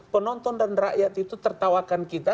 penonton dan rakyat itu tertawakan kita